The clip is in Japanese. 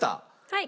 はい。